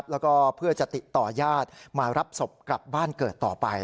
แล้วก็เพื่อจะติดต่อญาติมารับศพกลับบ้านเกิดต่อไป